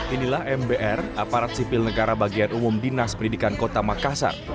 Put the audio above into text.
inilah mbr aparat sipil negara bagian umum dinas pendidikan kota makassar